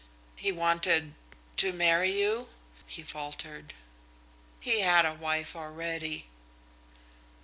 "He wanted to marry you?" he faltered. "He had a wife already."